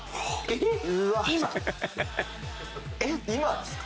えっ今ですか？